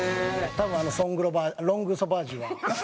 多分あのソング・ロバロング・ソバージュは。